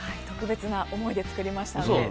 特別な思い出、作れましたね。